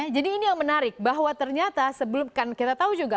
jadi ini yang menarik bahwa ternyata sebelum kan kita tahu juga